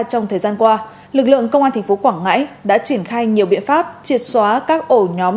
trong thời gian qua lực lượng công an tp quảng ngãi đã triển khai nhiều biện pháp triệt xóa các ổ nhóm